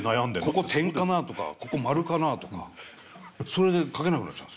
「ここ点かな？」とか「ここマルかな？」とかそれで書けなくなっちゃうんですよ。